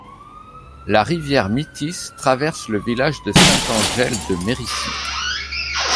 La rivière Mitis traverse le village de Sainte-Angèle-de-Mérici.